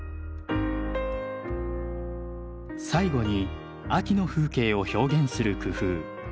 最後に秋の風景を表現する工夫。